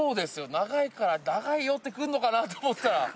長いから「長いよ」って来んのかなと思ったら。